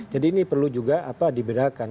jadi ini perlu juga apa diberakan